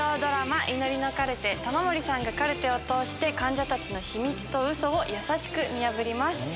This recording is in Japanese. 玉森さんがカルテを通して患者たちの秘密とウソを優しく見破ります。